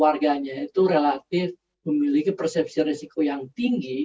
warganya itu relatif memiliki persepsi risiko yang tinggi